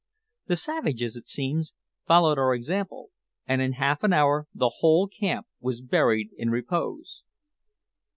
The savages, it seems, followed our example, and in half an hour the whole camp was buried in repose.